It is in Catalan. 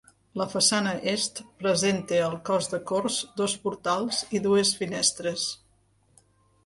La façana Est presenta al cos de corts dos portals i dues finestres.